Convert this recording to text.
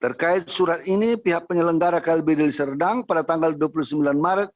terkait surat ini pihak penyelenggara klb deli serdang pada tanggal dua puluh sembilan maret